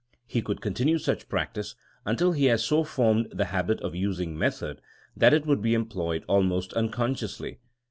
He could con tinue such practice until he had so formed the habit of using method that it would be employed almost unconsciously.